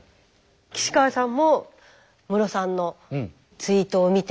岸川さんもムロさんのツイートを見て。